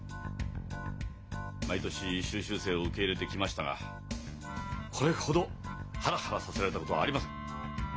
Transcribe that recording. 毎年修習生を受け入れてきましたがこれほどハラハラさせられたことはありません。